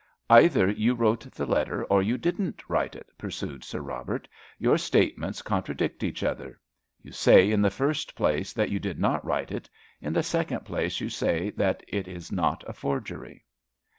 "Either you wrote the letter or you didn't write it," pursued Sir Robert. "Your statements contradict each other. You say, in the first place, that you did not write it. In the second place, you say it is not a forgery."